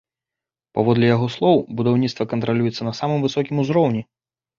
Паводле яго слоў, будаўніцтва кантралюецца на самым высокім узроўні.